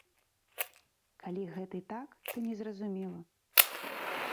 Калі гэты так, то незразумела.